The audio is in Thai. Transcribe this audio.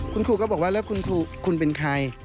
คุณครูก็บอกว่าแล้วคุณเป็นใคร